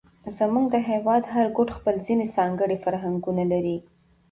زموږ د هېواد هر ګوټ خپل ځېنې ځانګړي فرهنګونه لري،